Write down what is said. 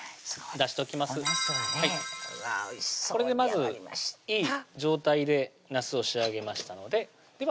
まずいい状態でなすを仕上げましたのででは